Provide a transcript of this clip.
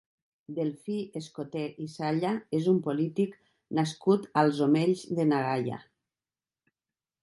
Delfí Escoté i Salla és un polític nascut als Omells de na Gaia.